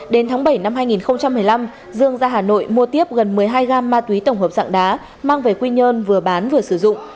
đến tháng bảy năm hai nghìn một mươi năm dương ra hà nội mua tiếp gần một mươi hai gam ma túy tổng hợp dạng đá mang về quy nhơn vừa bán vừa sử dụng